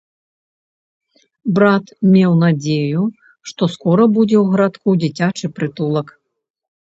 Брат меў надзею, што скора будзе ў гарадку дзіцячы прытулак.